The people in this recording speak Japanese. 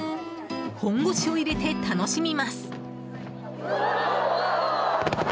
本腰を入れて楽しみます。